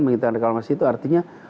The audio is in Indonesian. menghentikan reklamasi itu artinya